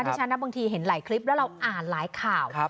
ที่ฉันนะบางทีเห็นหลายคลิปแล้วเราอ่านหลายข่าว